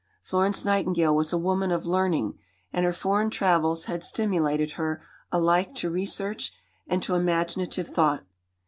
Florence Nightingale was a woman of learning, and her foreign travels had stimulated her alike to research and to imaginative thought.